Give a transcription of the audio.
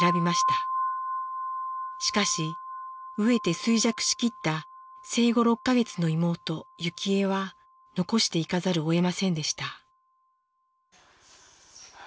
しかし飢えて衰弱しきった生後６か月の妹幸江は残していかざるをえませんでした。